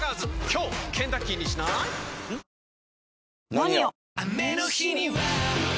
「ＮＯＮＩＯ」！